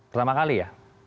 pertama kali ya